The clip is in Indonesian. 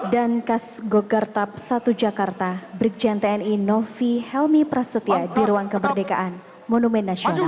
dan kas gogartap satu jakarta brigjen tni novi helmi prasetya di ruang keberdekaan monumen nasional